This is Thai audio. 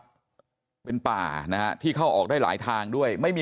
ส่วนเรื่องทางคดีนะครับตำรวจก็มุ่งไปที่เรื่องการฆาตฉิงทรัพย์นะครับ